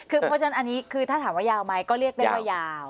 คือเพราะฉะนั้นอันนี้คือถ้าถามว่ายาวไหมก็เรียกได้ว่ายาว